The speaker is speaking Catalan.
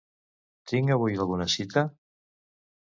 Tinc avui alguna cita?